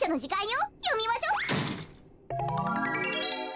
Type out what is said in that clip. よみましょ。